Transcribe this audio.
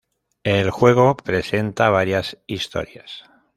El juego presenta varias historias.